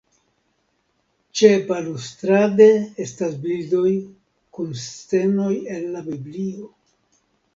Ĉebalustrade estas bildoj kun scenoj el la Biblio.